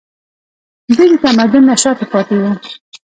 دوی د تمدن نه شاته پاتې وو